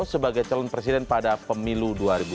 sebagai calon presiden pada pemilu dua ribu sembilan belas